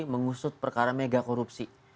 mengusut perkara megakorupsi